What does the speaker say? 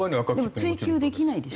でも追及できないでしょ？